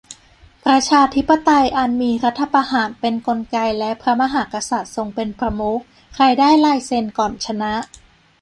ประชาธิปไตยอันมีรัฐประหารเป็นกลไกและพระมหากษัตริย์ทรงเป็นประมุข ใครได้ลายเซ็นก่อนชนะ